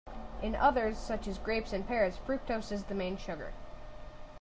In others, such as grapes and pears, fructose is the main sugar.